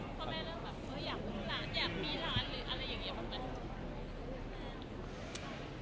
อยากมีร้านหรืออะไรอย่างเงี้ย